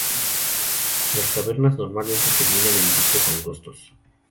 Las cavernas normalmente terminan en ductos angostos.